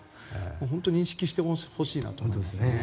本当に認識してほしいなと思いますね。